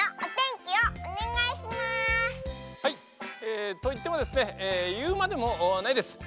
えといってもですねいうまでもないです。